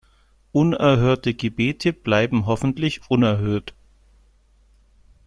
Unerhörte Gebete bleiben hoffentlich unerhört.